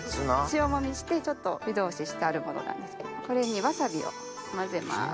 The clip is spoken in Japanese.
塩もみしてちょっと湯通ししてあるものなんですけどこれにわさびを混ぜます